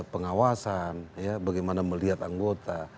pengawasan bagaimana melihat anggota